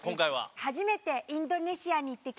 初めてインドネシアに行ってきました。